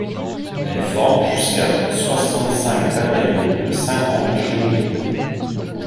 Elles forment jusqu'à soixante-cinq bataillons de cinquante chenillettes.